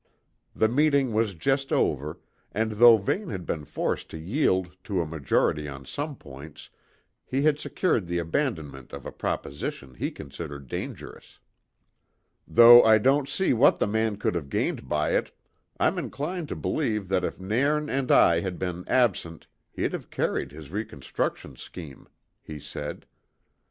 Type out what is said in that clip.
The meeting was just over, and though Vane had been forced to yield to a majority on some points, he had secured the abandonment of a proposition he considered dangerous. "Though I don't see what the man could have gained by it, I'm inclined to believe that if Nairn and I had been absent he'd have carried his reconstruction scheme," he said.